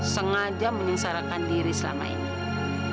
sengaja menyengsarakan diri selama ini